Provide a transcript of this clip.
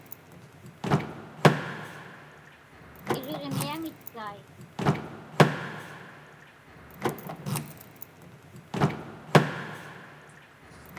Iriġniaŋitkai.